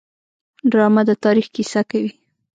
ډرامه د تاریخ کیسه کوي